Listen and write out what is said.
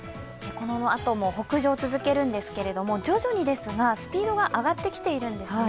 このあとも北上を続けるんですけれども、徐々にですがスピードが上がってきているんですね。